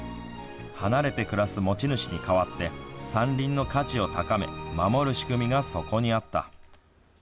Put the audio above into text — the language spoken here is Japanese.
離れて暮らす持ち主に代わって山林の価値を高め守る仕組みが、そこにあった。